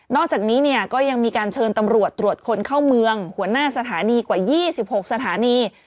อกจากนี้เนี่ยก็ยังมีการเชิญตำรวจตรวจคนเข้าเมืองหัวหน้าสถานีกว่า๒๖สถานี